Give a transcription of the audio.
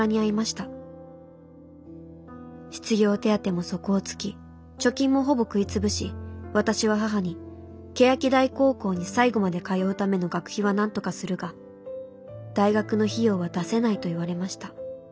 失業手当も底を突き貯金もほぼ食いつぶし私は母に欅台高校に最後まで通うための学費はなんとかするが大学の費用は出せないと言われました。